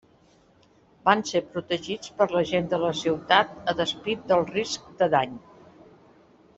Van ser protegits per la gent de la ciutat, a despit del risc de dany.